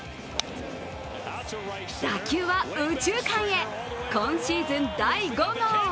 打球は右中間へ、今シーズン第５号！